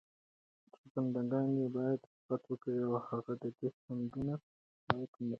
چې بندګان ئي بايد صفت وکړي، او هغه ددي حمدونو لائق هم دی